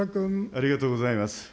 ありがとうございます。